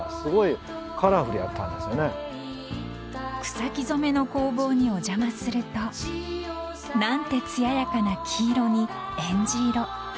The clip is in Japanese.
［草木染の工房にお邪魔すると何て艶やかな黄色にえんじ色］